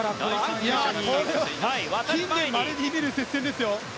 近年まれに見る接戦です。